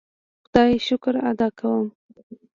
خدای شکر ادا کوم.